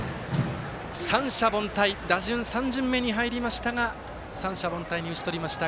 三者凡退打順３巡目に入りましたが三者凡退に打ち取りました。